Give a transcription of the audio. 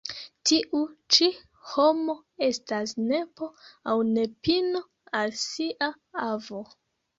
Tiu ĉi homo estas nepo aŭ nepino al sia avo.